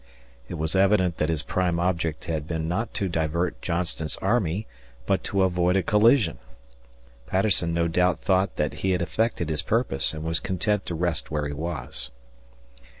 It was evident that his prime object had been not to divert Johnston's army but to avoid a collision. Patterson no doubt thought that he had effected his purpose and was content to rest where he was.